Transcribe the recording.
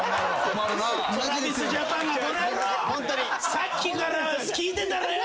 さっきから聞いてたらよ。